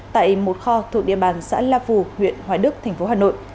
tại một kho thuộc địa bàn xã la phù huyện hóa đức tp hà nội